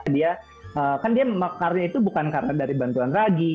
dia kan dia mekarnya itu bukan karena dari bantuan ragi